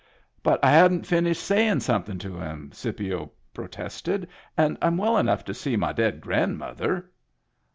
" But I hadn't finished sayin' something to him," Scipio protested. " And I'm well enough to see my dead grandmother."